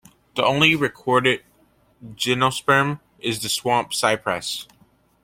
The only recorded gymnosperm is the swamp cypress.